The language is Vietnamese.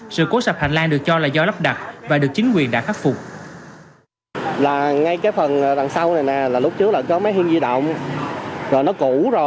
sự cố sập hành lang được cho là do lắp đặt và được chính quyền đã khắc phục